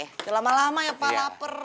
udah lama lama ya pak laper